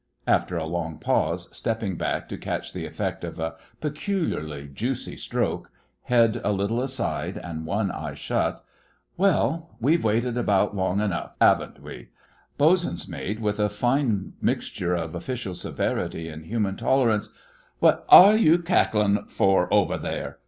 After a long pause, stepping back to catch the effect of a peculiarly juicy stroke—head a little aside and one eye shut: 'Well, we've waited about long enough, 'aven't we?' Bosun's mate with a fine mixture of official severity and human tolerance: 'What are you cacklin' for over there!